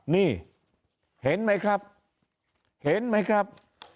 นี่เห็นไหมครับเห็นไหมครับ